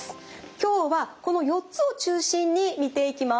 今日はこの４つを中心に見ていきます。